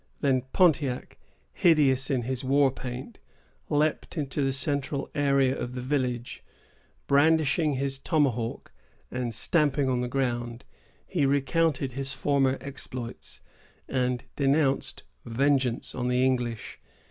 Then Pontiac, hideous in his war paint, leaped into the central area of the village. Brandishing his tomahawk, and stamping on the ground, he recounted his former exploits, and denounced vengeance on the English.